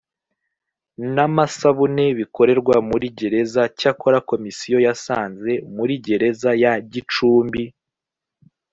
n amasabune bikorerwa muri gereza cyakora komisiyo yasanze muri gereza ya gicumbi